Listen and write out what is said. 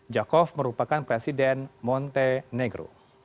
jakov merupakan presiden montenegro